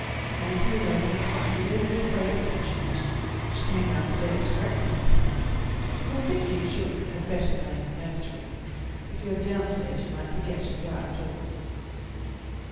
"Nancy is over her cold, you need n't be afraid of catching it. She came downstairs to breakfast this morning, but I think you children had better play in the nursery. If you are downstairs you might forget and go outdoors."